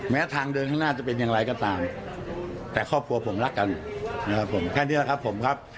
ทางเดินข้างหน้าจะเป็นอย่างไรก็ตามแต่ครอบครัวผมรักกันนะครับผมแค่นี้ครับผมครับ